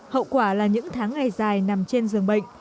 hậu quả là những tháng ngày dài nằm trên giường bệnh